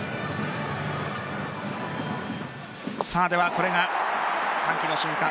では、これが歓喜の瞬間。